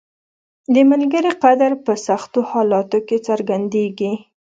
• د ملګري قدر په سختو حالاتو کې څرګندیږي.